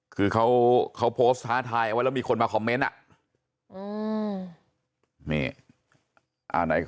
คือเขาโพสต์ท้าทายเอาไว้แล้วมีคนมาคอมเมนต์อ่ะ